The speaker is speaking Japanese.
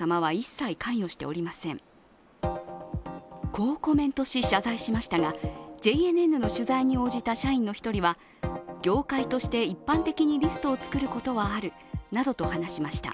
こうコメントし、謝罪しましたがＪＮＮの取材に応じた社員の１人は業界として一般的にリストを作ることはあるなどと話しました。